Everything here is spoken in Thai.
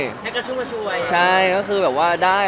แล้วถ่ายละครมันก็๘๙เดือนอะไรอย่างนี้